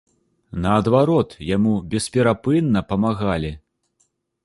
Наадварот, яму бесперапынна памагалі.